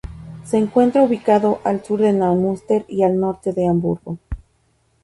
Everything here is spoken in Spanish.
Se encuentra ubicado al sur de Neumünster y al norte de Hamburgo.